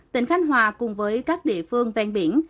tỉnh khánh hòa cùng với các địa phương ven biển